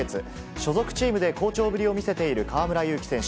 所属チームで好調ぶりを見せている河村勇輝選手。